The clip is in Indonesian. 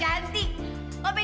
sini sini aku pegangin